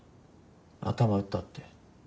頭打ったって。